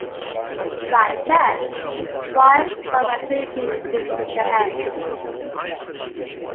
Like chess, this requires some ability to think ahead.